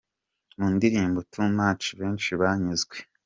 Mu ndirimbo 'Too Much' benshi banyuzwe.